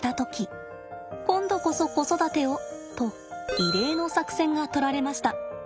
「今度こそ子育てを」と異例の作戦がとられました。